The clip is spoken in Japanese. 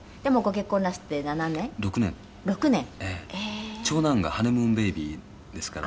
谷村：長男がハネムーンベイビーですから。